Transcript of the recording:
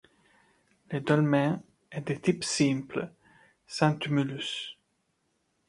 Le dolmen est de type simple, sans tumulus.